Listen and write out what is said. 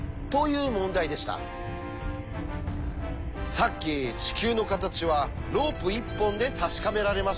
さっき地球の形はロープ１本で確かめられましたよね。